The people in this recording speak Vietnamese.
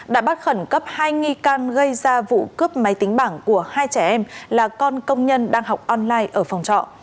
đã bắt khẩn cấp hai nghi can gây ra vụ cướp máy tính bảng của hai trẻ em là con công nhân đang học online ở phòng trọ